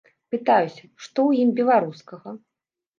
Пытаюся, што ў ім беларускага.